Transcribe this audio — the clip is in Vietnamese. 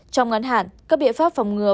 trong ngắn hạn các biện pháp phòng ngừa